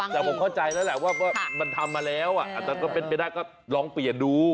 แต่ผมเข้าใจแล้วแหละว่ามันทำมาแล้วอาจจะก็เป็นไปได้ก็ลองเปลี่ยนดู